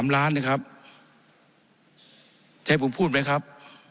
๓ล้านนะครับให้ผมพูดไหมครับ